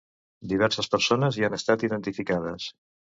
Diverses persones hi han estat identificades.